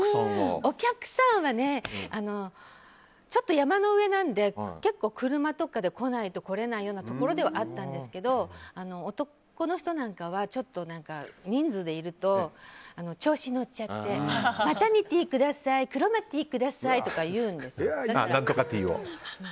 お客さんはちょっと山の上なので結構車とかじゃないと来れないようなところではあったんですけど男の人なんかは人数でいると調子に乗っちゃってマタニティーくださいクロマティくださいとか言うんですよ。